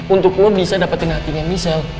untuk lo bisa dapetin hatinya michelle